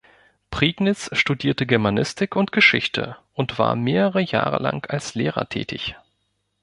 Prignitz studierte Germanistik und Geschichte und war mehrere Jahre lang als Lehrer tätig.